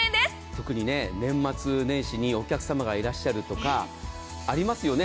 特に年末年始にお客様がいらっしゃるとかありますよね